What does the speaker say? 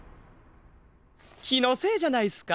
きのせいじゃないすか？